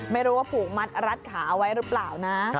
ไม่รู้ว่าผูกมัดรัดขาเอาไว้หรือเปล่านะ